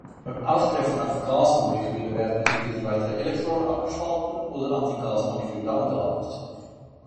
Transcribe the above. Beim Auftreffen auf Gasmoleküle werden entweder weitere Elektronen abgespalten oder an die Gasmoleküle angelagert.